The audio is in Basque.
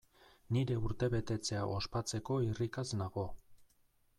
Nire urtebetetzea ospatzeko irrikaz nago!